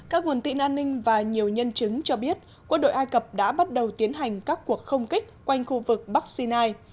các nguồn tin an ninh và nhiều nhân chứng cho biết quân đội ai cập đã bắt đầu tiến hành các cuộc không kích quanh khu vực bắc sinai